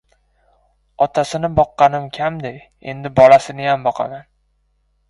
Otasini boqqanim kamday, endi bolasiniyam boqaman!